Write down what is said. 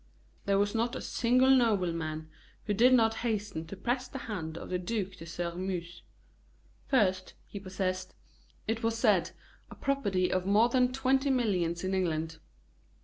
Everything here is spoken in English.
There was not a single nobleman who did not hasten to press the hand of the Duc de Sairmeuse. First, he possessed, it was said, a property of more than twenty millions in England.